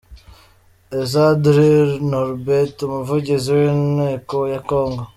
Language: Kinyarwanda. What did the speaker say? Ezadri Norbert Umuvugizi w’inteko ya Congo.